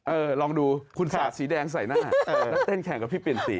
ลองดูคุณสาดสีแดงใส่หน้าแล้วเต้นแข่งกับพี่เปลี่ยนสี